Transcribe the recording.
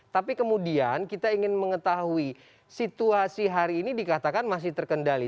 tapi kemudian kita ingin mengetahui situasi hari ini dikatakan masih terkendali